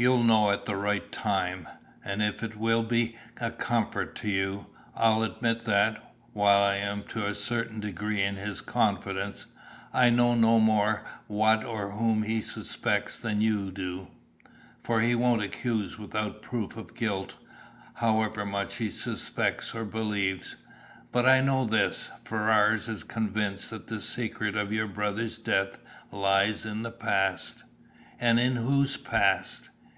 "You'll know at the right time. And if it will be a comfort to you, I'll admit that, while I am to a certain degree in his confidence, I know no more what or whom he suspects than you do, for he won't accuse without proof of guilt, however much he suspects or believes. But I know this, Ferrars is convinced that the secret of your brother's death lies in the past." "And in whose past?"